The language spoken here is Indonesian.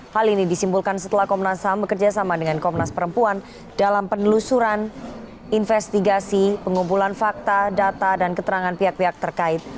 hal ini disimpulkan setelah komnas ham bekerjasama dengan komnas perempuan dalam penelusuran investigasi pengumpulan fakta data dan keterangan pihak pihak terkait